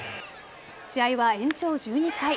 試合は延長１２回。